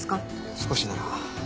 少しなら。